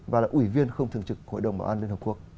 và là ủy viên không thường trực hội đồng bảo an liên hợp quốc